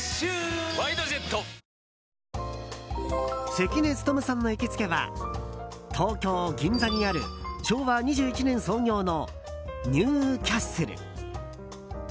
関根勤さんの行きつけは東京・銀座にある昭和２１年創業のニューキャッスル。